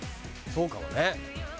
そうかもね。